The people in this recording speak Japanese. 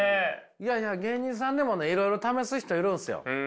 いやいや芸人さんでもいろいろ試す人いるんですよ。